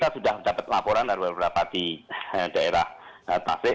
sudah mendapat laporan dari beberapa di daerah pasir